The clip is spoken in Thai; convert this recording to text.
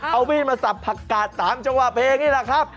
เอามีดมาสับผักกาดตามจังหวะเพลงนี่แหละครับ